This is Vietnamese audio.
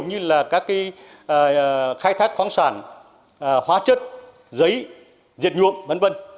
như là các khai thác khoáng sản hóa chất giấy diệt nhuộm v v